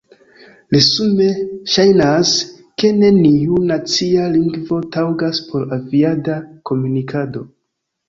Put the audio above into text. Resume, ŝajnas, ke neniu nacia lingvo taŭgas por aviada komunikado.